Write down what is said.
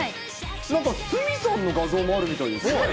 なんか、鷲見さんの画像もあるみたいですよ。